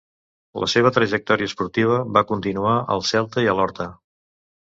La seva trajectòria esportiva va continuar al Celta i a l'Horta.